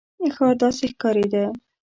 ښار داسې ښکارېده.